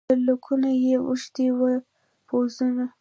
تر لکونو یې اوښتي وه پوځونه